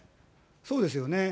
そうですよね。